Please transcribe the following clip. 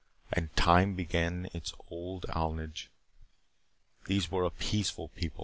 And time began its old alnage. These were a peaceful people.